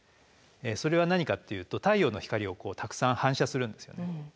それは何かっていうと太陽の光をたくさん反射するんですよね。